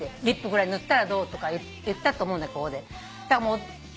リップぐらい塗ったらどうとか言ったと思うんだここで。